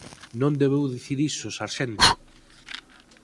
Non debeu dicir iso, sarxento!